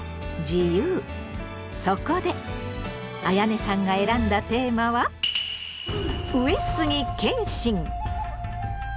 そこであやねさんが選んだテーマは「上杉謙信」！